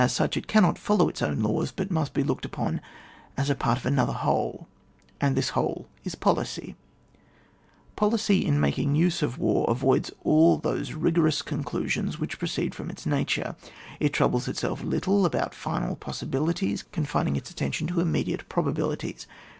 sudiy it cannot follow its own laws, but muBt be looked upon as a part of another whole, — and this whole is policy* Policy in making use of war avoids all those rigorous conclusions which proceed from its nature ; it troubles itself little about final possibilities, confining its attention to immediate probabilities.